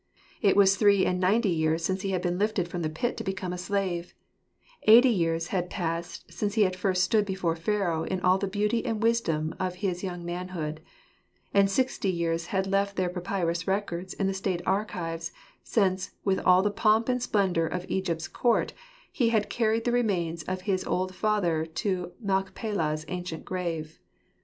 It was three and ninety years since he had been lifted from the pit to become a slave. Eighty years had passed since he had first stood before Pharaoh in all the beauty and wisdom of his young manhood. And sixty years had left their papyrus records in the State archives, since, with all the pomp and splendour of Egypt's court, he had carried the remains of his old father to Machpelah's ancient cave.